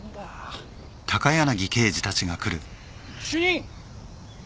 ・主任！